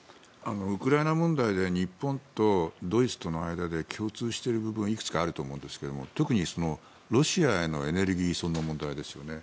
ウクライナ問題で日本とドイツとの間で共通している部分がいくつかあると思うんですが特にロシアへのエネルギー依存の問題ですよね。